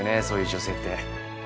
そういう女性って。